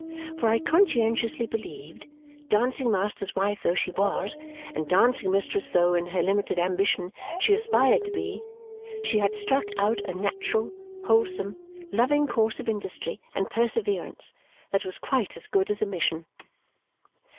For I conscientiously believed, dancing master's wife though she was, and dancing mistress though in her limited ambition she aspired to be, she had struck out a natural, wholesome, loving course of industry and perseverance that was quite as good as a mission.